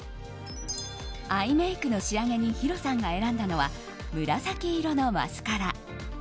アイメイクの仕上げにヒロさんが選んだのは紫色のマスカラ。